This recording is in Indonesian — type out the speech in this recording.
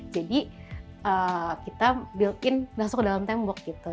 jadi kita build in langsung ke dalam tembok gitu